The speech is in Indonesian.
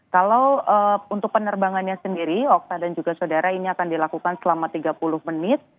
kalau untuk penerbangannya sendiri okta dan juga saudara ini akan dilakukan selama tiga puluh menit